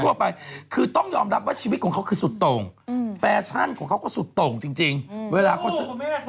ไม่มีเพราะว่าพี่เขาเลือกหรือว่าอะไร